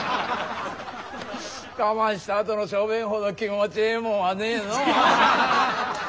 我慢したあとの小便ほど気持ちええもんはねえのう。